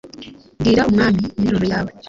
Bwira Umwami interuro yawe